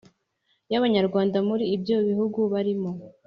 y Abanyarwanda muri ibyo bihugu barimo